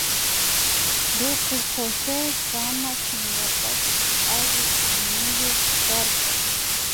Ruku Jose kamachinkapak alli shimiyuk karka